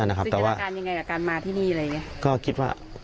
มีอาการยังไงกับการมาที่นี่อะไรอย่างเงี้ย